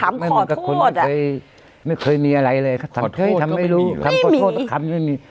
ถามขอโทษอ่ะไม่เคยมีอะไรเลยขอโทษก็ไม่มีไม่มี